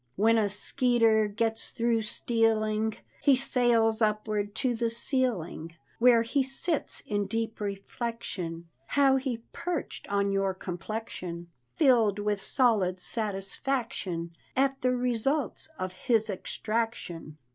When a skeeter gets through stealing, He sails upward to the ceiling, Where he sits in deep reflection How he perched on your complexion, Filled with solid satisfaction At results of his extraction.